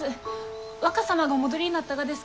若様がお戻りになったがです